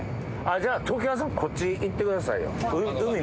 じゃあ常盤さんこっち行ってくださいよ。